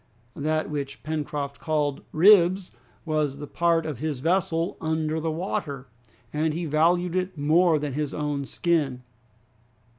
'" That which Pencroft called ribs was the part of his vessel under water, and he valued it more than his own skin.